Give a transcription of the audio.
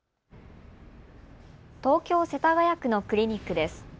東京世田谷区のクリニックです。